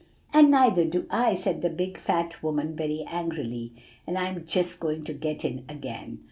"'And neither do I,' said the big fat woman very angrily; 'and I'm just going to get in again.